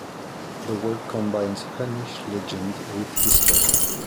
The work combines Hunnish legend with history.